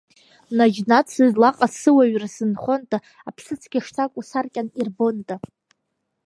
Наџьнатә сызлаҟаз сыуаҩра сзынхонда, Аԥсыцқьа шсакәу саркьан ирбонда!